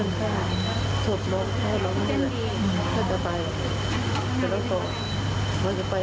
แล้วเราก็บอกเขาเลยไหมว่าจะไปกระโดดน้ำเลย